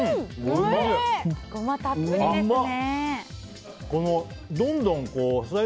ゴマたっぷりですね。